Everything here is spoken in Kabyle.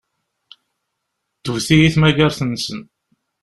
Tewwet-iyi tmagart-nsen.